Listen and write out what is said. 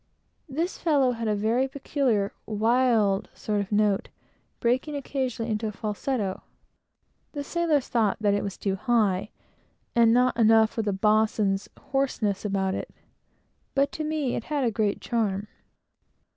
This fellow had a very peculiar, wild sort of note, breaking occasionally into a falsetto. The sailors thought it was too high, and not enough of the boatswain hoarseness about it; but to me it had a great charm.